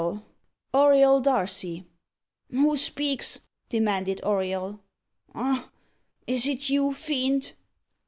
Auriol Darcy!" "Who speaks?" demanded Auriol. "Ah! is it you, Fiend?"